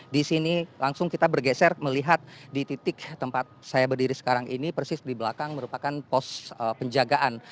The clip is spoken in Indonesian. di sini langsung kita bergeser melihat di titik tempat saya berdiri sekarang ini persis di belakang merupakan pos penjagaan